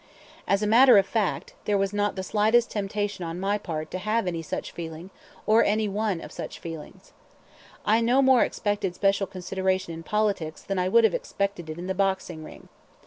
As a matter of fact, there was not the slightest temptation on my part to have any such feeling or any one of such feelings. I no more expected special consideration in politics than I would have expected it in the boxing ring.